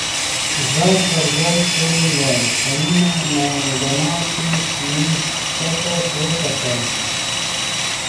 ځای پر ځای کړي وای، په نیمه رڼا کې مې کښته ته وکتل.